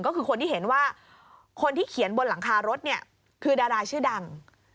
ก็คือคนที่เห็นว่าคนที่เขียนบนหลังคารถเนี่ยคือดาราชื่อดัง